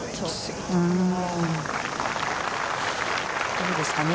どうですかね。